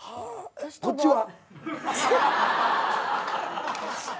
こっちは？